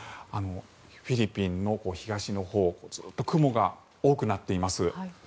フィリピンの東のほうずっと雲が多くなっています。